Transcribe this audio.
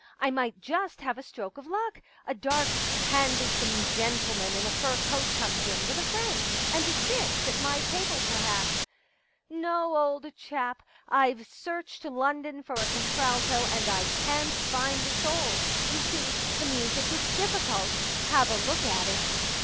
I might just have a stroke of luck. ... A dark handsome gentleman in a fur coat comes in with a friend, and sits at my table, perhaps. * No, old chap, I've searched London for a contralto and I can't find a soul. You see, the music is difficult ; have a look at it.'